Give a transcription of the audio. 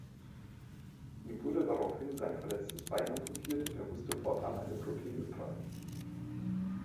Ihm wurde daraufhin sein verletztes Bein amputiert und er musste fortan eine Prothese tragen.